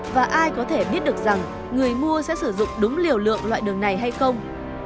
và ai có thể biết được rằng người mua sẽ sử dụng đúng liều lượng loại đường này hay không